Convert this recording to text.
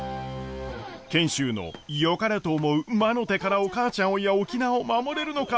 賢秀のよかれと思う魔の手からお母ちゃんをいや沖縄を守れるのか。